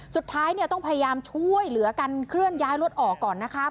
สุดท้ายเนี่ยต้องพยายามช่วยเหลือกันเคลื่อนย้ายรถออกก่อนนะคะ